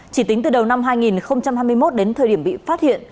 chỉ tính từ đầu năm hai nghìn hai mươi một đến thời điểm bị phát hiện